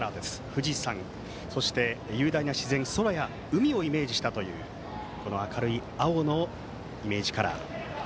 富士山、そして雄大な自然空や海をイメージしたという明るい青のイメージカラー。